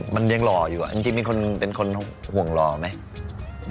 มันยังหล่ออยู่จริงมีคนห่วงหล่อไหม